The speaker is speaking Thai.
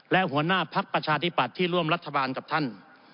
และหัวหน้าพักประชาธิปัตย์ที่ร่วมรัฐบาลกับท่าน